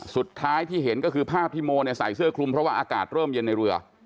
สุดท้ายที่เห็นก็คือภาพที่โมใส่เสื้อคลุมเพราะว่าอากาศเริ่มเย็นในเรือ